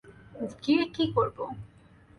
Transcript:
গিয়ে কী করব?